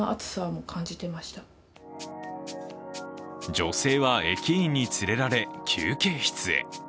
女性は駅員に連れられ休憩室へ。